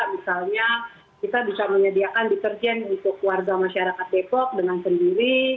misalnya kita bisa menyediakan deterjen untuk warga masyarakat depok dengan sendiri